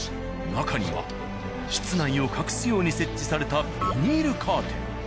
中には室内を隠すように設置されたビニールカーテン。